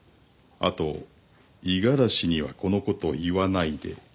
「あと五十嵐にはこのこと言わないで」